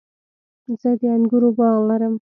زه د انګورو باغ لرم